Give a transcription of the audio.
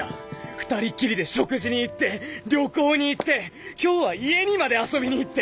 ⁉２人っきりで食事に行って旅行に行って今日は家にまで遊びに行って！